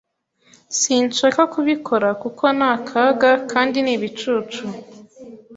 Sinshaka kubikora kuko ni akaga kandi ni ibicucu.